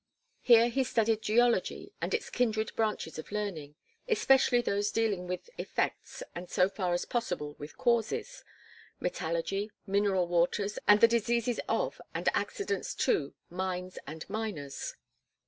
Here he studied geology and its kindred branches of learning especially those dealing with effects and so far as possible with causes metallurgy, mineral waters, and the diseases of and accidents to mines and miners.